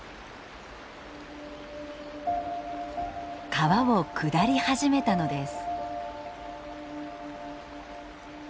川を下り始めたのです。